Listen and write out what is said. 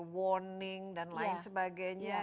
warning dan lain sebagainya